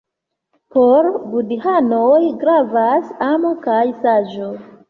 Por budhanoj gravas amo kaj saĝo.